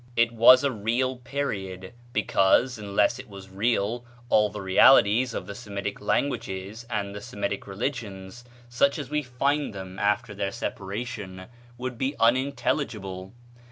It was a real period, because, unless it was real, all the realities of the Semitic languages and the Semitic religions, such as we find them after their separation, would be unintelligible.